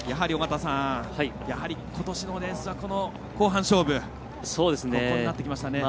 やはり、ことしのレースは後半勝負になってきましたね。